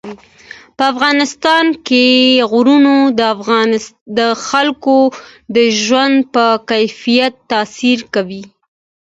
په افغانستان کې غرونه د خلکو د ژوند په کیفیت تاثیر کوي.